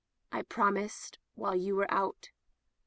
"I promised while you were out.